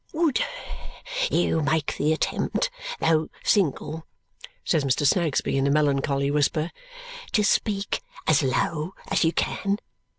"Would you make the attempt, though single," says Mr. Snagsby in a melancholy whisper, "to speak as low as you can?